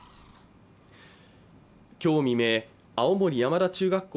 今日未明、青森山田中学校